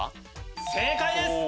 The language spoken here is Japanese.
正解です。